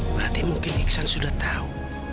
berarti mungkin iksan sudah tahu